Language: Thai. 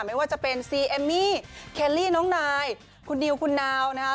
ไม่ว่าจะเป็นซีเอมมี่เคลลี่น้องนายคุณดิวคุณนาวนะคะ